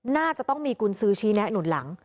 น่าจะต้องมีกุญซื้อชี้แนะหนุนหลัง